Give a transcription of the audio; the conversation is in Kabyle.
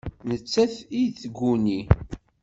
Nettat i tguni.